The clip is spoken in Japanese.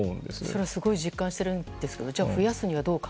それはすごい実感しているんですね。